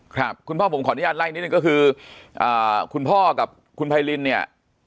ขออนุญาตให้ใกล้ก็คือคุณพอกับคุณไพรินเนี่ย